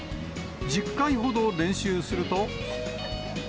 １０回ほど練習すると。